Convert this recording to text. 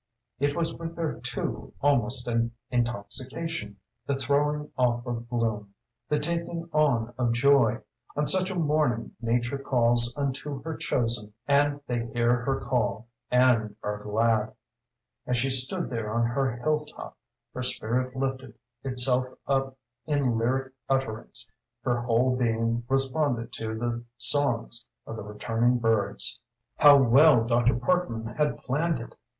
It was with her too almost an intoxication the throwing off of gloom, the taking on of joy. On such a morning nature calls unto her chosen, and they hear her call, and are glad. As she stood there on her hill top her spirit lifted itself up in lyric utterance; her whole being responded to the songs of the returning birds. How well Dr. Parkman had planned it!